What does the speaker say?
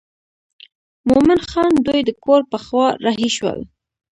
مومن خان دوی د کور پر خوا رهي شول.